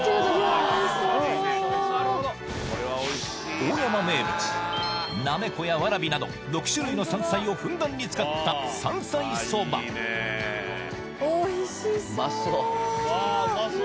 大山名物なめこやわらびなど６種類の山菜をふんだんに使った山菜そばうまそう。